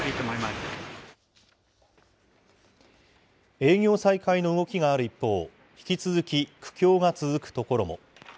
営業再開の動きがある一方、引き続き苦境が続く所も。